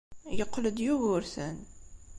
Yeqqel-d Yugurten.